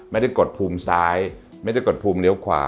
กดภูมิซ้ายไม่ได้กดภูมิเลี้ยวขวา